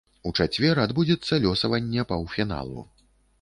У чацвер адбудзецца лёсаванне паўфіналу.